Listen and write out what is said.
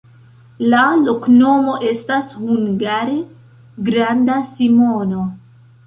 La loknomo estas hungare: granda Simono.